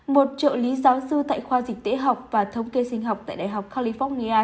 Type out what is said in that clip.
một trợ lý giáo sư tại khoa dịch tễ học và thống kê sinh học tại đại học california